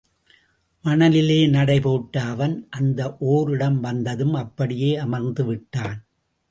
மணலிலே நடை போட்ட அவன், அந்த ஒர் இடம் வந்ததும் அப்படியே அமர்ந்து விட்டான்.